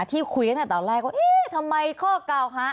ที่คุยกันตอนแรกว่าเอ๊ะทำไมข้อกล่าวหา